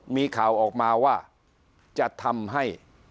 มีข่าวออกมาว่าจะทำให้